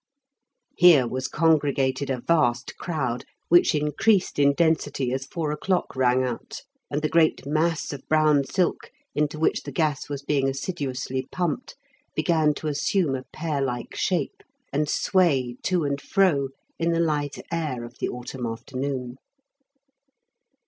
Here was congregated a vast crowd, which increased in density as four o'clock rang out, and the great mass of brown silk into which the gas was being assiduously pumped began to assume a pear like shape, and sway to and fro in the light air of the autumn afternoon.